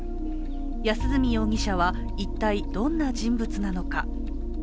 安栖容疑者は一体、どんな人物なのか。